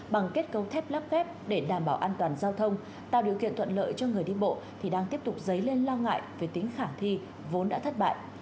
bằng kết cấu thép lắp kép để đảm bảo an toàn giao thông tạo điều kiện thuận lợi cho người đi bộ thì đang tiếp tục dấy lên lo ngại về tính khả thi vốn đã thất bại